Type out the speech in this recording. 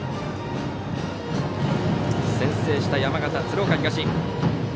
先制した山形・鶴岡東。